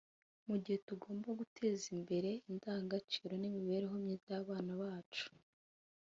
Ati "Mu gihe tugomba guteza imbere indangagaciro n’imibereho myiza y’abana bacu